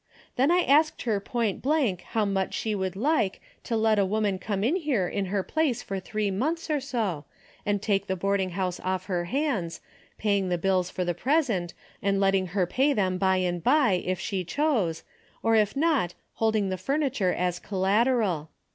Then I asked her point blank how she would like to let a woman come in here in her place for three months or so, and take the boarding house off her hands, paying the bills for the present, and letting her pay them by and by, if she chose, or if not, holding the furniture as collateral.